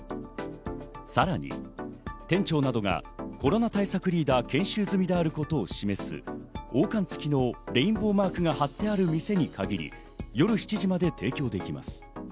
さらに店長などがコロナ対策リーダー研修済みであることを示す、王冠つきのレインボーマークが貼ってある店に限り夜７時まで提供できます。